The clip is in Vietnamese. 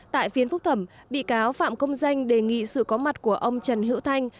tại phiên phúc thẩm bị cáo phạm công danh đề nghị sự có mặt của ông trần hữu thanh